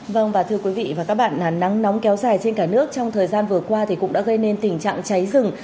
vâng và thưa quý vị và các bạn nắng nóng kéo dài trên cả nước trong thời gian vừa qua thì cũng đã gây nên tình trạng cháy rừng